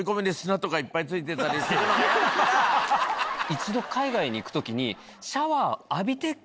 一度海外に行く時に。